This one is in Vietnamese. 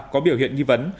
có biểu hiện nghi vấn